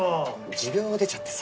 持病が出ちゃってさ。